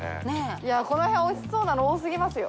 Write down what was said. いやこの辺おいしそうなの多すぎますよ。